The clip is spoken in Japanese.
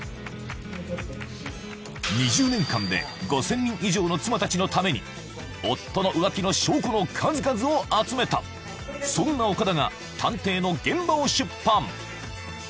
２０年間で５０００人以上の妻達のために夫の浮気の証拠の数々を集めたそんな岡田が「探偵の現場」を出版